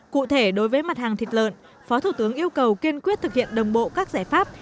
cụ thể đối với mặt hàng thịt lợn phó thủ tướng yêu cầu kiên quyết thực hiện đồng bộ các giải pháp